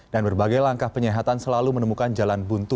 dan berbagai langkah penyehatan selalu menemukan jalan buntu